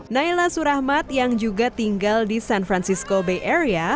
naila surahmat yang juga tinggal di san francisco bay area